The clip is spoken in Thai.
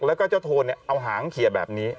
แล้วก็เจ้าโทนเอาหางเขียแบบนี้